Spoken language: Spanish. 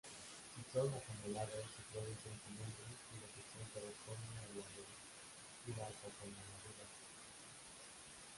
Si son acanalados, se producen cilindros cuya sección corresponde a la de las acanaladuras.